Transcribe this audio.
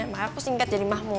mah aku singkat jadi mahmud